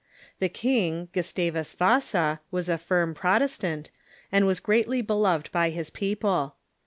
The king, Gustavus Yasa, was a firm Protestant, and was greatly beloved by his people.